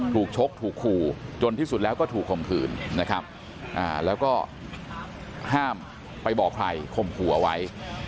ถูกขู่จนที่สุดแล้วก็ถูกคมคืนแล้วก็ห้ามไปบอกใครคมขู่เอาไว้